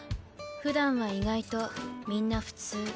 ふだんは意外とみんな普通。